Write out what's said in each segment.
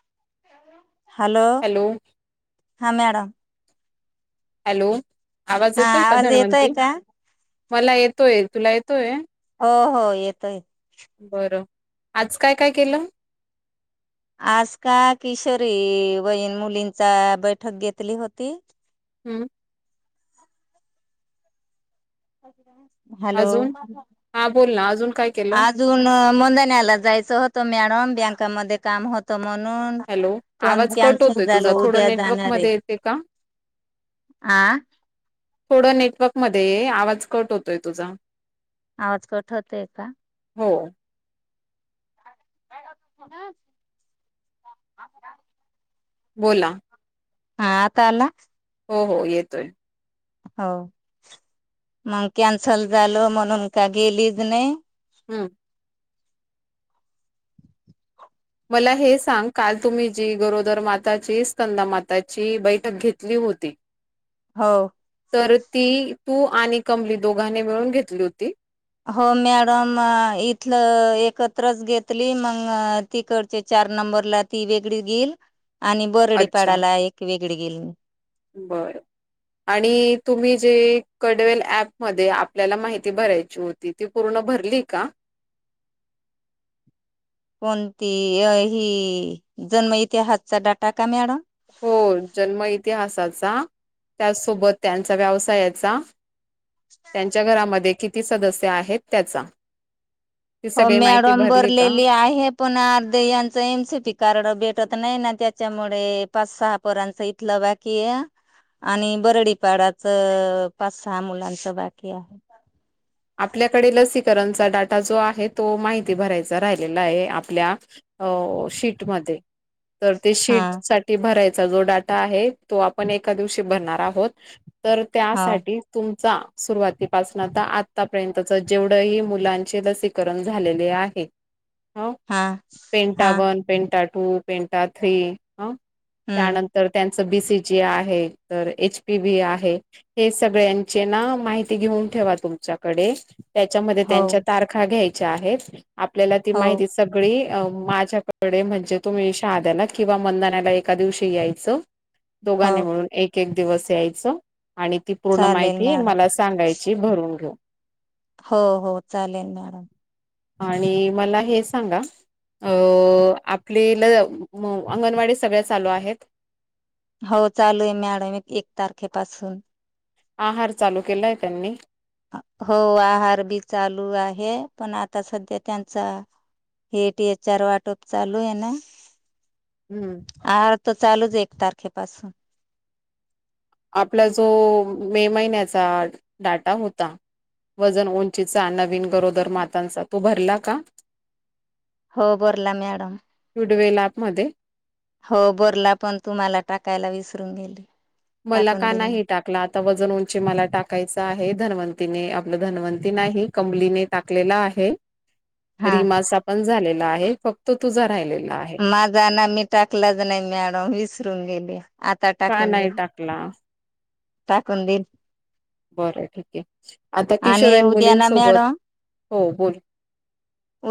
[inaudible] Hello हा madam. Hello आवाज हा येतोय का आवाज येतोय धनवंती का मला येतोय तुला य तोय हो हो येतोय. बरं आज काय काय केलं? आज का किशोरी वहीन मुलींचा बैठक घेतली होती. हम्म [inaudible] अजून, हा बोल ना, अजून काय केलं. अजून मंदण्याला जायचं होतं मॅडम बँकामध्ये काम होत म्हणून हॅलो पण आवाज कट कॅन्सल होतोय झाल तुझा थोडं उद्या नेटवर्क जाणारे हे मध्ये येते का आ थोडं नेटवक मध्ये ये आवाज कट होतोय तुझा. आवाज कट होतेय का? हो [inaudible] बोला, हा आता अला हो हो येतोय. हो, मग कॅन्सल झालं म्हणून का गेलीज नाही. हम्म, मला हे सांग, काल तुम्ही जी गरोदर माताची स्तंदामाताची बैठक घेतली होती. हो, तर ती तू आणि कमली दोघांनी मिळून घेतली होती. हो मॅडम इथलं एकत्रच घेतली मग तिकडचे चार नंबरला ती वेगळी गिल. अच्छा बरं आणि तुम्ही जे कडवेल ऍप मदे आपल्याला माहिती भरायची होती ती पूर्ण भरली का? [inaudible] कोणती अही जन्म इतिहासचा डाटा का मॅडम. हो, जन्म इतिहासाचा त्याचसोबत त्यांचा व्यवसायाचा त्यांच्या घरामध्ये कित ति सदस्य आहेत त्याचा. ती हो सगळी माहिती मॅडम भरली का? भरलेली आहे, पण अर्ध यांच एनसीपी कार्ड भेटत नाही ना त्या त्याच्यामुळे पाच सहा पोरांच इथलं बाकी आहे, आणि बरडीपाडाच पाच सहा मुलांच बाकी आहे. आपल्याकडे लसीकरणचा डाटा जो आहे, तो माहिती भरायचा राहिलेला आहे आपल्या अ शीटमध्ये. तर ते शीट हा साठी भरायच चा जो डाटा आहे, तो आपण एका दिवशी भरणार आहोत. तर हो त्यासाठी तुम चा सुरुवातीपसून आता आ आतापर्यंतच जेवढंही मुलांचे लसीकरण झालेले आहे. हो हा हा penta one penta two penta three हअ हम्म त्यानंतर त्यां च बीसीजी आहे तर एच पी बी आहे, हे सगळ्यांचे ना माहिती घेऊन ठेवा तुमच्या. कडे त्याच्यामध्ये हो त्यांच्या तारखा घ्याय च्या आहेत आपल्याला ती हो माहिती सगळी अ माझ्याकडे म्हणजे तुम्ही शहाद्याला किंवा मंदनाला एका दिवशी यायचं. हो दोघांनी मिळून एक किती दिवस यायचं. आणि ती पूर्ण चालेल माहिती मॅडम मला सांगायची, भरून घेऊ. हो हो चालेल मॅडम. आणि मला हे सांगा अ आपलीला अंगणवाडी सगळ्या चालू आहेत. हो चालू आहे मॅडम एक तारखेपासून. आहार चालू केलाय, त्यांनी हो आहार बी चालू आहे, पण आता सध्या त्यांचा हेट एचर वाटप चालू आहे ना. हम्म. आहार तर चालू दे एक तारखेपसून. आपला जो मे महिन्याचा डाटा होता. वजन उंचीचा नवीन गरोदर मातांचा तो भरला का. हो बरला मॅडम. पुडवेला आत मध्ये. हो भरला पण तुम्हाला टाकायला विसरून गेली. मला टाकून का दिली मी नाही टाकल, आता वजन उंची मला टाकायच आहे. धनवंत तिने आपलं धनवंती नाही. कमलीने टाकलेल आहे. हा रीमाचा पण झालेला आहे. हे फक्त तुझा राहिलेला आहे. माझा ना मी टाकलाच नाही, मॅडम विसरून गेली. ब [inaudible] का नाही टाकला. टाकून दिल. बरं ठीक ए. आणि उद्या ना मॅडम हो बोल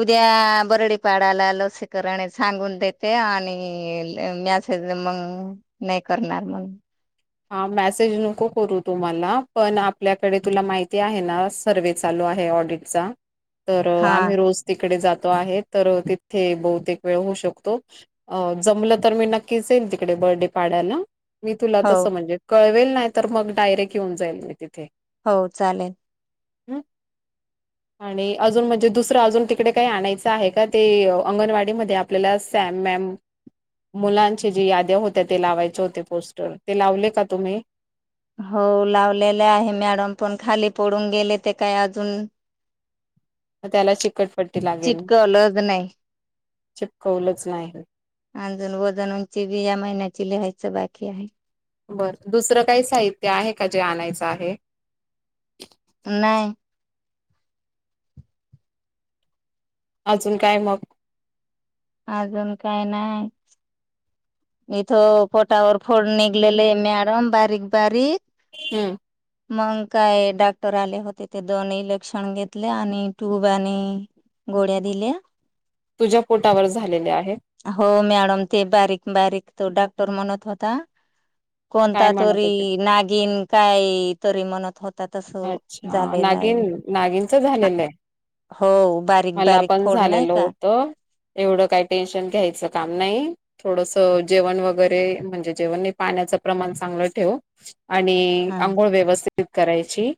उद्या बरडीपाडाला लसीकरण सांगून देते. आणि मॅसेज मग नाही करणार मग. हा मॅसेज नको करू तु मला पण आपल्याकडे तुला माहिती आहे, ना सर्वे चालू आहे ऑडिटचा तर हा आम्ही रोज तिकडे जातो. तो आहे तर तथे बहुतेक वेळ होऊ शकतो अ जमलं तर मी नक्कीच येईल तिकडे बर्डीपाळ्याला मी तुला हो तसं म्हणजे कळवेल. नाही तर मग डायरेक्ट येऊन जाईल मी तिथे. हो चालेल. हम्म आणि अजून म्हणजे दुसर अजून तिकडे काही आणायचं आहे का ते अंगणवाडी मध्ये आपल्याला सॅम मॅम मुलांची जी याद्या होत्या ते लावायचे होते पोस्टर ते लावले का तुम्ही. हो लावलेले आहे मॅडम पण खाली पडून गेले, ते काय अजून. त त्याला चिकटपट्टी लागेल. चिटकवलंच नाही चिपकवलंच नाही. अजून वजन उंची भी या महिन्याची लिहायचं बाकी आहे. बरं दुसरं काही साहित्य आहे. का जे आणायचं आहे. नाही. अजून काय मग. अजून काय नाही, इथ पोटावर फोड निघलेले मॅडम बारीक बारीक हम्म मग काय डॉक्टर आले होते ते दोन इलेक्शण घेतले आणि ट्यूब आणि गोळ्या दिल्या तुझ्या पोटावर झालेल्या आहे हो मॅडम ते बारीक बारीक तो डॉक्टर म्हणत होता काय कोणता म्हणत तरी होते? नागिन काय काहीतरी म्हणत होत अच्छा नागिन नागिनच झालेलं आहे, हो बारीक मला बारीक पण फोड नाही झालेलं का होतं. एवढं काही टेन्शन घ्यायचं काम नाही थोडस जेवण वगैरे म्हणजे जेवण नाही पाण्याचं प्रमाण चांगलं ठेव आणि हा अंघोळ व्यवस्थित कराय ची.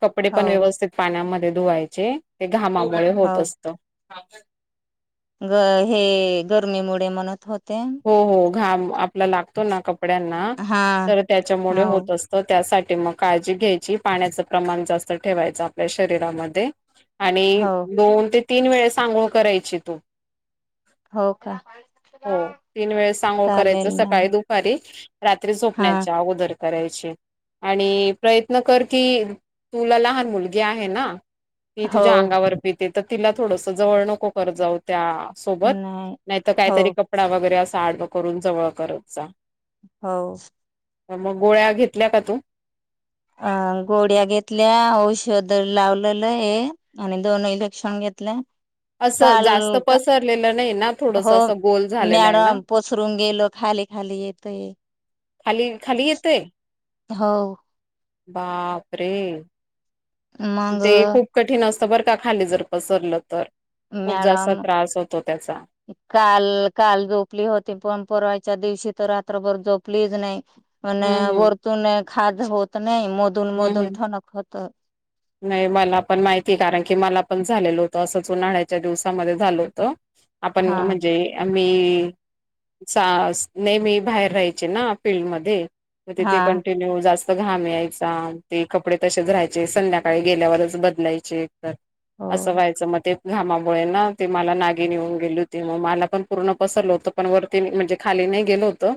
कपडे हो पण व्यवस्थित पाण्यामध्ये धुवायचे घामामुळे हो होत असत. [inaudible] ग हे गर्मीमुळे म्हणत होत हो हो घाम आपला लागतो ना कप ड्यांना हा तर त्याच्यामुळे हो होत असत त्यासाठी मग काळजी घ्यायची पाण्याच प्रमाण जास्त ठेवायच आपल्या शरीरामध्ये. आणि हो दोन ते तीन वेळ अंघोळ करायची तू हो का वेळ आंघोळ करायचं चालेल सकाळी, मॅम दुपारी [inaudible] रात्री हा झोपण्याच्या अगोदर करायची आणि प्रयत्न कर की तुला लहान मुलगी आहे! ना ती हो तुझ्या अंगावर पी तर तिला थोडस जवळ नको करत जाउ त्या सोबत नाही नाहीतर हो काहीतरी कपडा वगैरे चालु करून जवळ करत जा. हो मग गोळ्या घेतल्या का तू? अ गोड्या घेतल्या औषध लावलेलं हे आणि दोन इलेक्षण घेतल्या. असं काल जास्त पसरलेलं नाही ना हो थोडस असं गोल झालेलं आहे ना. मॅडम पसरून गेलो खाली खाली येतोय खाली खाली येतय? हो. बापरे! मग ते खूप कठीण असत. स [inaudible] बरका खाली जर पसरलं तर. खूप जास्त मॅडम त्रास होतो त्याचा काल काल झोपली होती पण पररवाच्या दिवशी तर रात्रबर जोपलीच नाही. मण हम्म हम्म वरतून एक खाज होत ना नाही मधून हम्म मधून हम्म ठनकत. तर नाही मला पण माहिती कारण की मला पण झालेलं होतं, असंच उन्हाळ्याच्या दिवसामध्ये झालं होतं. आपण हा म्हणजे मी चा नेहमी बाहेर राहायचे ना फील्डमध्ये. मग हा तिे कंटिन्यू जास्त घाम यायचा ते कपडे तसेच रारायचे सं्या काळी गेल्यावरच बदलायचे. तर हो असं व्हायचं मग ते घामामुळे ना ते मला नागीनि होऊन गेली होती मग मला पण पूर्ण पसरलं होतं पण वरती म्हणजे खाली नाही गेल होतं.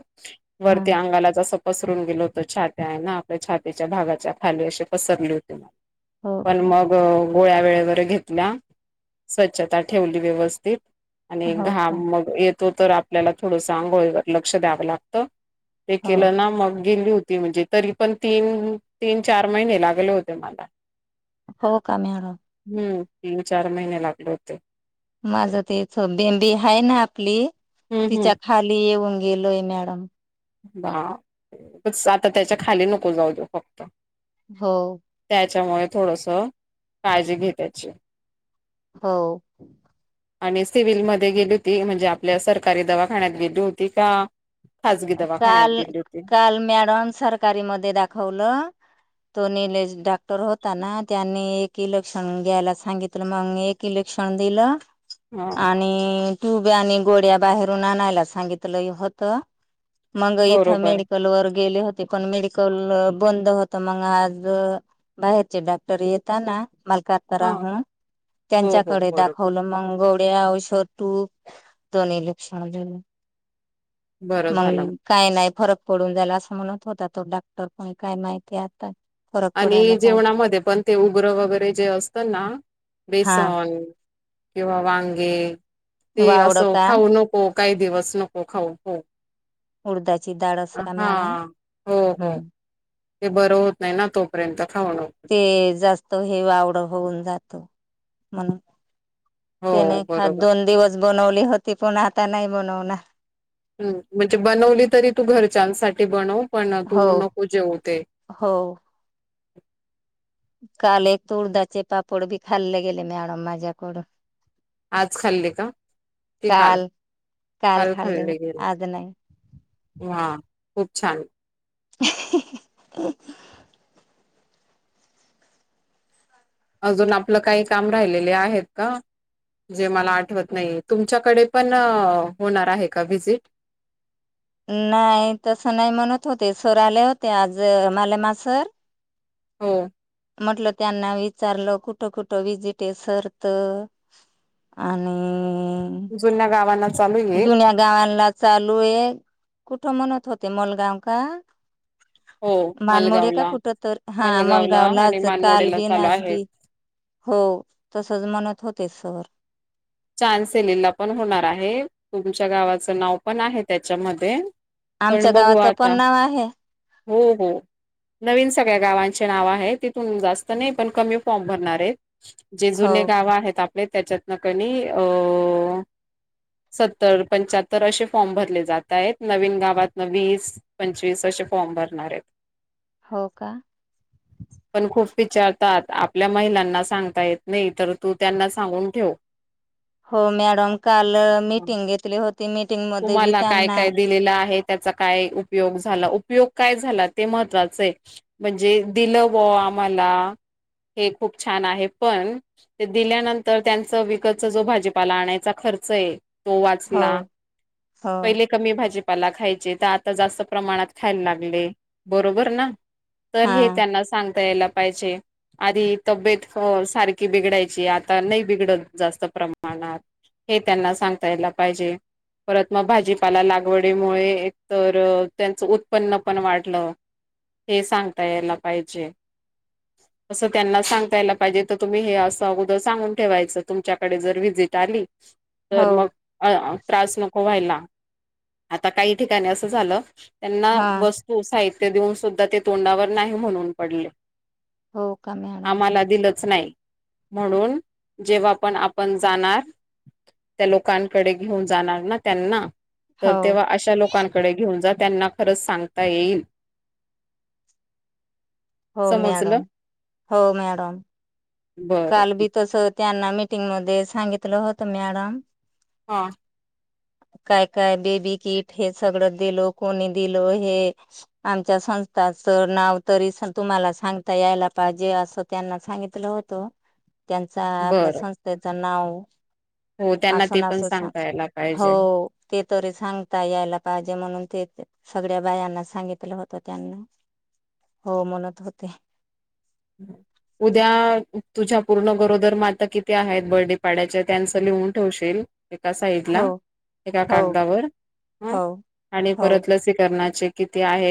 हा वरती अंगाला जस पसरून गेल होत छात्या आहे ना आपल्या छातीच्या भागाच्या खाली असे पसरले होती मग. हो पण का मग गोळ्या वेळेवर घेतल्या, स्वच्छता ठेवली व्यवस्थित. आणि हो घाम का मग येत तो तर आपल्याला थोडं अंघोळीवर लक्ष द्यावं लागतं. ते हो केलं ना मग गेली होती म्हणजे तरी पण तीन तीन चार महिने लागले होते मला. हो. काम ह हम्म तीन चार महिने लागले होते. माझ तथं बेंबी आहे, ना आपली हम्म तिच्या हम्म खाली येऊन गेलोय मॅडम. बाप! आता त्याच्या खाली नको जाऊ देऊ फक्त. हो. त्याच्यामुळे थोडस काळजी घे त्याची. हो. आणि सिव्हिलमध्ये गेली होती म्हणजे आपल्या सरकारी दवाखान्यात गेली होती का?? खाजगी दवाखान्यात काल गेली होती काल मॅडम सरकारी मध्ये दाखवलं तो नेलेश डॉक्टर होता ना त्यांनी एक इलेक्शन घ्यायला सांगितलं, मग एक इलेक्शन दिलं हा आणि ट्यूब्या आणि गोड्या बाहेरून आणायला सांगितलंय होत. मग इथं बरोबर मेडिकल वर गेले होते. ते पण मेडिकल बंद होत मग आज बाहेरचे डॉक्टर येेता ना हा मलकातराहू हो हो त्यांच्याकडे बरोबर दाखवलं मंग [unintelligible] बरं मग झालं काय नाही फरक पडून जाला असं म्हणत होता तो डॉक्टर पण काय माहितीय आता. फरक आणि पडायला पाहिजे जेवणामध्ये पण ते उग्रं वगैरे जे असतं ना हा बेसन किंवा वांगे ते वावड असं का खाऊ नको. काही दिवस नको खाऊ हो. उडदाची दाळ अस का हा मॅडम, हो हो हम्म. ते बरं होत नाही ना तोपर्यंत. खाऊ नको ते जास्त हे वावडं होऊन जातं. म्हनू हो ते नाही खात बरोबर दोन दिवस बनवल. होती पण आता नाही बनवणार. हम्म, म्हणजे बनवली तरी तू घरच्यांसाठी बनव. पण हो तू नको जेवू ते. हो काल एकत उडदाचे पापड बी खाल्ले गेले मॅडम माज्या कडून. आज खाल्ले का? की काल, काल खाल्ले होते गेले आज नाही हा. खूप छान. [unintelligible] अजून आपलं काही काम राहिलेले आहेत का? जे मला आठवत नाही तुमच्याकडे पण होणार आहे का व्हिजिट? नाही तस नाही, म्हणत होते सर आले होते आज मलामा सर हो. म्हटलं त्यांना विचारलं कुठ कुठं विजिटे सर त आणि जुन्या गावांना चालू आहे जुन्या गावांना चालूये. कुठं म्हणत होते मुलगाव का? हो मानमोडे का मलगावला कुठ तर हा मलगावला आणि मलगावलाच काल मानमोडेला बी न चालू आज आहे बी हो तसच म्हणत होते सर. चानसेलीला पण होणार आहे, तुमच्या गावाचं नाव पण आहे त्याच्यामध्ये. आमच्या पण बघू गावाचं पण आता नाव आहे. हो हो नवीन सगळ्या गावांचे नाव आहे तिथून जास्त नाही पण कमी फॉर्म भरणार आहेत. जे हो जुने गाव आहेत. आप त्याच्यातन कणी अ सत्तर पंच्याहत्तर असे फॉर्म भरले जात आहेत. नवीन गावातन वीस पंचवीस असे फॉर्म भरणार आहेत. हो का? पण खूप विचारतात आपल्या महिलांना सांगता येत नाही तर तू त्यांना सांगून ठेव. हो मॅडम काल मीटिंग घेतली होती मिीटिंगमध्ये मी तुम्हाला काय त्यांना काय दिलेलं आहे त्याचा काय उपयोग झाला उपयोग काय झाला ते महत्वाच आहे. म्हणजे दिलं व आम्हाला हे खूप छान आहे. पण दिल्यानंतर त्यांचं वि जो भाजीपाला आणायचा खर्च आहे. तो हो वाचला हो पहिले कमी भाजी ्ला खायचे तर आता जास्त प्रमाणात खायला लागले बरोबर ना तर हा हे त्यांना सांग प्यायला पाहिजे आधी तब्येत सारखी बिघडायची आता नाही बिघडत जास्त प्रमाणात हे त्यांना सांगता यायला पाहिजे परत मग भाजीपाला लागवडीमुळे एक तर त्यांच उत्पन्न पण वाढलं हे सांगता यायला पाहिजे असं त्यांना सांगता यायला पाहिजे, तर तुम्ही हे असं अगोदर सांगून ठेवायचं. तुमच्याकडे जर व्हिजिट आली. तर हो मग अ त्रास नको व्हायला, आता काही ठिकाणी असं झालं त्यांना हा वस्तू साहित ते देऊन सुद्धा ते तोंडावर नाही म्हणून पडले. हो का मॅडम आम्हाला दिलच नाही. म्हणून जेव्हा पण आपण जाणार त्या लोकांकडे घेऊन जाणार ना त्यांना तर हो तेव्हा अशा लोकांकडे घेऊन जातात. त्यांना खरंच सांगता येईल. हो समजलं मॅडम हो मॅडम बरं काल बी ठीक तस त्यांना मि. मटिंग मध्ये सांगितलं होत मॅडम हा. काय काय बेबी किट हे सगळं दिल कोणी दिल, हे आमच्या संस्थाच नाव तरी तुम्हाला सांगता यायला पाहिजे असं त्यांना सांगितलं होतं. त्यांचा आपल्या बरं संस्थेच नाव हो. हो त्यांना ते पण सांगता यायला पाहिजे. हो, ते तरी सांगता यायला पाहिजे म्हणून ते सगळ्या बायांना सांगितलं होत त्यांना हो म्हणत होते उद्या तुझ्या पूर्ण गरोदर माता किती आहेत बर्डे पड्याचे त्यांचं लिहून ठेवशील. एका साईड ला, हो एका हो कागदावर हो आणि हो परत लसीकरणाची किती आहे